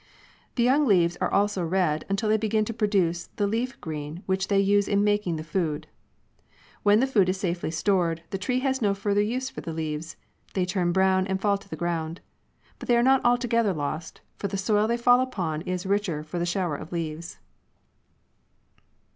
The young leaves are also red, until they begin to produce the leaf green which they use in making the food. When the food is safely stored, the tree has no further use for the leaves. They turn brown and fall to the ground. But they are not altogether lost, for the soil they fall upon is richer for the shower of leaves.